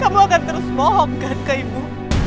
kamu akan terus mohonkan ke ibu